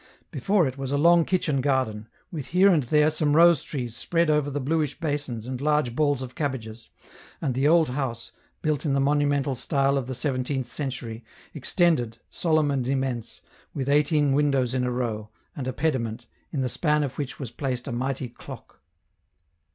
Before it was a long kitchen garden, with here and there some rose trees spread over the blueish basins and large balls of cabbages, and the old house, built in the monumental style of the seventeenth century, extended, solemn and immense, with eighteen windows in a row, and a pediment, in the span of which was placed a mighty clock.